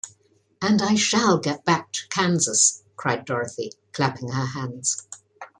"And I shall get back to Kansas," cried Dorothy, clapping her hands.